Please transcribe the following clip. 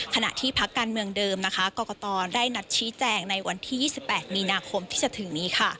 ขณะที่พักการเมืองเดิมนะคะกรกตได้นัดชี้แจงในวันที่๒๘มีนาคมที่จะถึงนี้ค่ะ